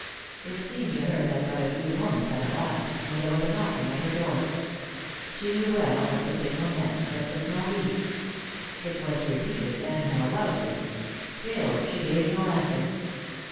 It seemed to her that but a few moments had elapsed, when there was a knocking at her door. She knew well what the signal meant, but took no heed. It was repeated, and more loudly; still she gave no answer.